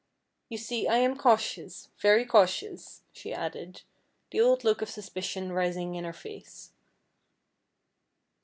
You see I am cautious, very cautious," she added, the old look of suspicion rising in her face.